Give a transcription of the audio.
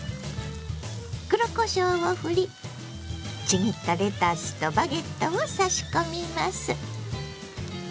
黒こしょうをふりちぎったレタスとバゲットを差し込みます。